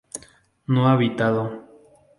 No habitado.